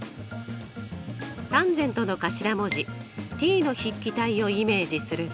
ｔａｎの頭文字ｔの筆記体をイメージすると。